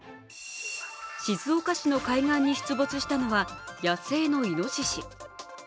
静岡市の海岸に出没したのは野生のいのしし。